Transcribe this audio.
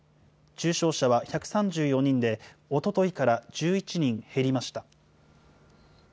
重症者は１３４人で、おとといから１１人減りました。